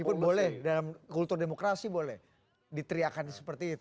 meskipun boleh dalam kultur demokrasi boleh diteriakan seperti itu